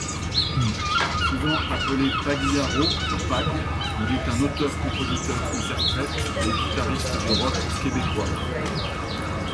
Souvent appelé Pagliaro, ou Pag, il est un auteur-compositeur-interprète et guitariste de rock québécois.